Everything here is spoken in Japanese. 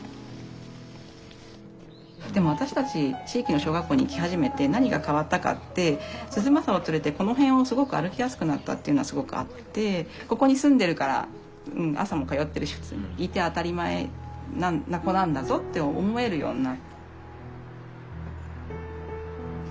でも私たち地域の小学校に行き始めて何が変わったかって涼将を連れてこの辺をすごく歩きやすくなったっていうのはすごくあってここに住んでるから朝も通ってるし普通にいて当たり前な子なんだぞって思えるようになった。